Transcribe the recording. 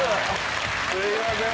すいません。